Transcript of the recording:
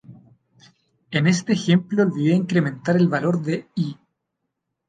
En este ejemplo olvide incrementar el valor de "i".